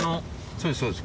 そうですそうです。